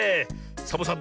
サボさん